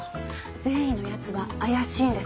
善意の奴は怪しいんです。